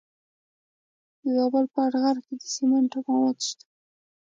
د زابل په اتغر کې د سمنټو مواد شته.